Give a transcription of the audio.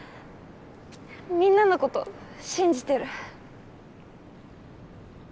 みんなのこと信じてる。